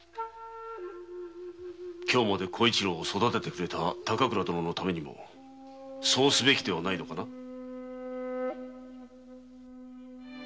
今日まで小一郎を育ててくれた高倉殿のためにもそうすべきではないのかな。